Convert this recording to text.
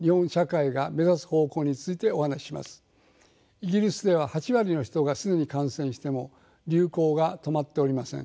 イギリスでは８割の人が既に感染しても流行が止まっておりません。